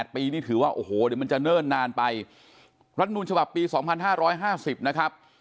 ๘ปีนี่ถือว่าโอ้โหเดี๋ยวมันจะเนิ่นนานไปรัฐนูลฉบับปี๒๕๕๐นะครับ